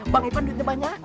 bang ipan duitnya banyak